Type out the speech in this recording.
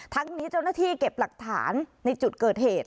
ทั้งนี้เจ้าหน้าที่เก็บหลักฐานในจุดเกิดเหตุ